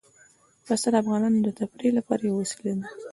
پسه د افغانانو د تفریح لپاره یوه وسیله ده.